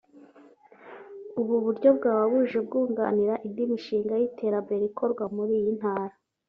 uburyo bwaba buje bwunganira indi mishinga y’iterambere ikorwa muri iyi ntara